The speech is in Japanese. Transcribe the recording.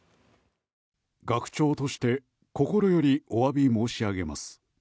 学長として心よりおわび申し上げます。